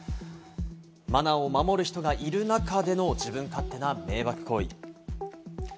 マナーを守る人がいる中での自分勝手な迷惑行為。